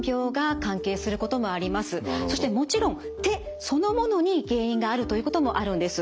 そしてもちろん手そのものに原因があるということもあるんです。